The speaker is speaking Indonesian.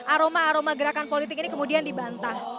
aroma aroma gerakan politik ini kemudian dibantah